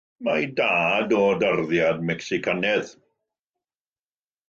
Mae ei dad o darddiad Mecsicanaidd.